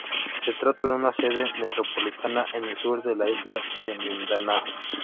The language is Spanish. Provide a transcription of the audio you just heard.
Se trata de una sede metropolitana en el sur de la isla de Mindanao.